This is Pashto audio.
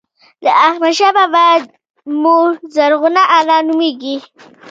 د احمدشاه بابا مور زرغونه انا نوميږي.